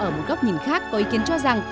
ở một góc nhìn khác có ý kiến cho rằng